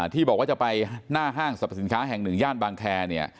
ที่บอกว่าจะไปหน้าห้างสรรพสินค้าแห่งหนึ่งย่านบางแคร์เนี่ย